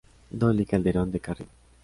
Dolly Calderón de Carrillo.